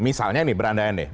misalnya ini beranda aneh